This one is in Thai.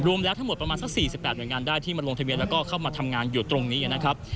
ทั้งหมดประมาณสัก๔๘หน่วยงานได้ที่มาลงทะเบียนแล้วก็เข้ามาทำงานอยู่ตรงนี้นะครับ